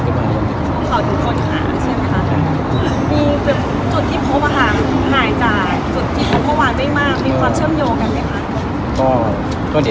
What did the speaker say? มีความเชิมโยกันไหม